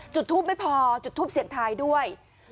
จุดทูปไม่พอจุดทูปเสียงทายด้วย